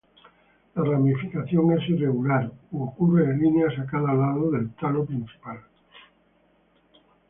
La ramificación es irregular u ocurre en líneas a cada lado del talo principal.